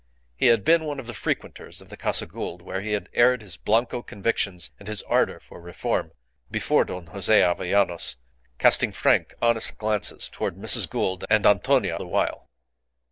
He had been one of the frequenters of the Casa Gould, where he had aired his Blanco convictions and his ardour for reform before Don Jose Avellanos, casting frank, honest glances towards Mrs. Gould and Antonia the while.